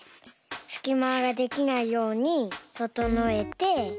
すきまができないようにととのえて。